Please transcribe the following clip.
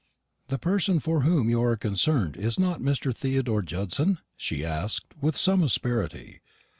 "The person for whom you are concerned is not Mr. Theodore Judson?" she asked, with some asperity.